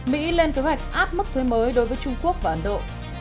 mỹ lên kế hoạch áp mức thuế mới đối với trung quốc và ấn độ